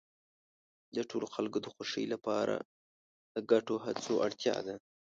د ټولو خلکو د خوښۍ لپاره د ګډو هڅو اړتیا ده.